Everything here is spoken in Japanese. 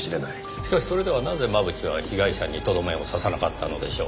しかしそれではなぜ真渕は被害者にとどめを刺さなかったのでしょう？